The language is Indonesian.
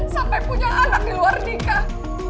sampai punya anak di luar nikah